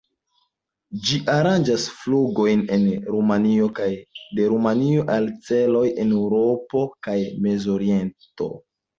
Ĝi aranĝas flugojn en Rumanio kaj de Rumanio al celoj en Eŭropo kaj Mezoriento.